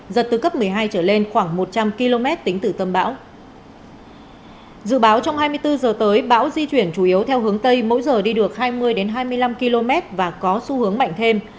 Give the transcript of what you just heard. dự báo trong hai mươi bốn h tới bão di chuyển chủ yếu theo hướng tây mỗi giờ đi được hai mươi hai mươi năm km và có xu hướng mạnh thêm